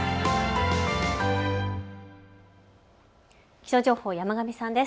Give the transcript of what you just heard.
気象情報、山神さんです。